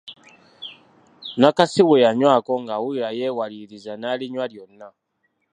Nakasi bwe yanywako ng’awulira yeewaliriza naalinywa lyonna.